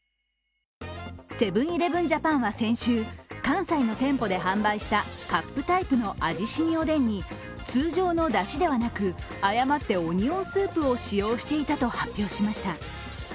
セブン−イレブン・ジャパンは先週関西の店舗で発売したカップタイプの味しみおでんに、通常のだしではなく誤ってオニオンスープを使用していたと発表しました。